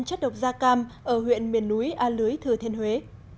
chất độc da cam ở huyện miền núi a lưới thừa thiên huế